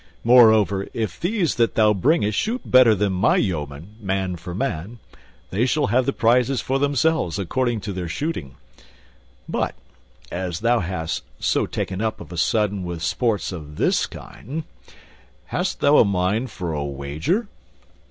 Moreover, if these that thou bringest shoot better than my yeomen, man for man, they shall have the prizes for themselves according to their shooting. But as thou hast so taken up of a sudden with sports of this kind, hast thou a mind for a wager?"